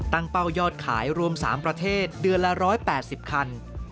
เป้ายอดขายรวม๓ประเทศเดือนละ๑๘๐คัน